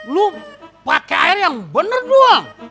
lu pakai air yang benar doang